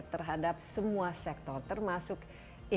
terhadap semua sektor termasuk industri